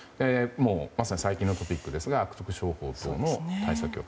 まさに最近のトピックですが悪徳商法等の対策強化。